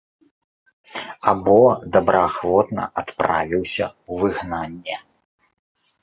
Або добраахвотна адправіўся ў выгнанне.